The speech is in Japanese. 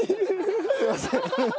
すいません。